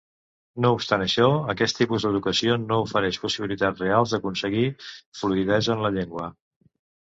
No obstant això, aquest tipus d'educació no ofereix possibilitats reals d'aconseguir fluïdesa en la llengua.